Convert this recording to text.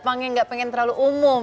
emangnya nggak pengen terlalu umum